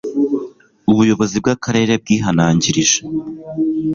Ubuyobozi bw Akarere bwihanangirije